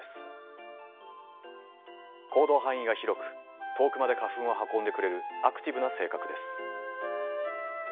行動範囲が広く遠くまで花粉を運んでくれるアクティブな性格です。